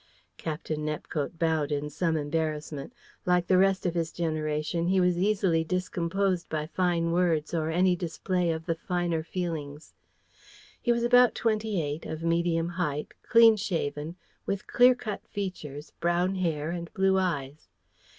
Captain Nepcote bowed in some embarrassment. Like the rest of his generation, he was easily discomposed by fine words or any display of the finer feelings. He was about twenty eight, of medium height, clean shaven, with clear cut features, brown hair, and blue eyes.